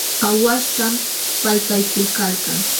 Aawaśhtam paltaykuykalkan.